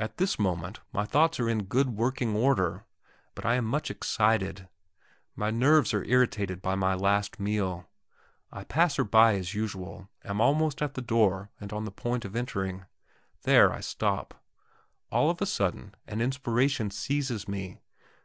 At this moment my thoughts are in good working order, but I am much excited; my nerves are irritated by my last meal. I pass her by as usual; am almost at the door and on the point of entering. There I stop. All of a sudden an inspiration seizes me.